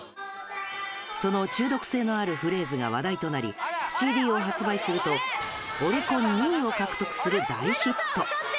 その中毒性のあるフレーズが話題となり、ＣＤを発売するとオリコン２位を獲得する大ヒット。